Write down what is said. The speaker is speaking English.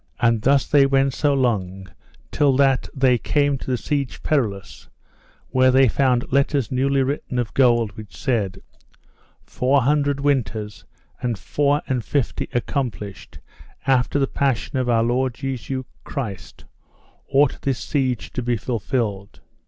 And thus they went so long till that they came to the Siege Perilous, where they found letters newly written of gold which said: Four hundred winters and four and fifty accomplished after the passion of our Lord Jesu Christ ought this siege to be fulfilled.